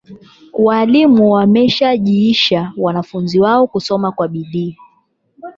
Walimu wameshajihisha wanafunzi wao kusoma kwa bidi.